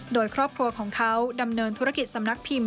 โดยครอบครัวของเขาดำเนินธุรกิจสำนักพิมพ์